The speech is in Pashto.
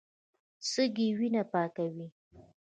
سږي وینه پاکوي.